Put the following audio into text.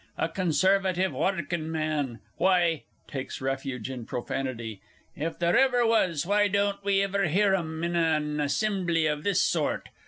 A Conservative Warkin Man! why (takes refuge in profanity). If there was why don't we iver hear 'um in an assimbly of this sort?